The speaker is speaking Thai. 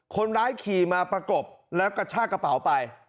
คนร้ายขี่มาประกบแล้วกระชากระเป๋าไป